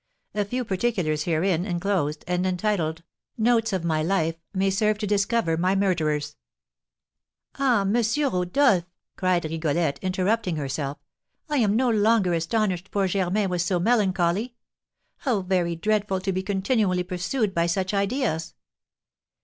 A few particulars herein enclosed, and entitled 'Notes on My Life,' may serve to discover my murderers." "Ah, M. Rodolph," cried Rigolette, interrupting herself, "I am no longer astonished poor Germain was so melancholy! How very dreadful to be continually pursued by such ideas!"